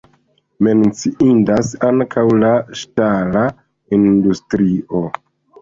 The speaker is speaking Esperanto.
Menciindas ankaŭ la ŝtala industrio.